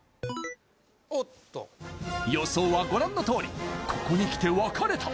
おっと予想はご覧のとおりここにきて分かれた